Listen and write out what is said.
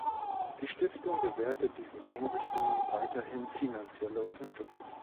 Die Stiftung gewährte diesen Einrichtungen weiterhin finanzielle Unterstützung.